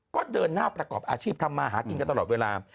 ก็เดินหน้าประกอบอาชีพทำมาหากินกันตลอดเวลา